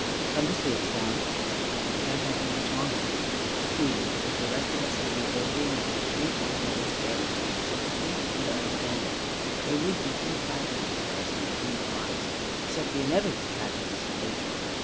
"Come to see us, Downs," he said; "we can't have you much longer." Truly if the rest of us had nobility enough to treat one another's failings with sympathy and understanding, there would be few tragedies for us in our human lives, except the inevitable tragedies of nature.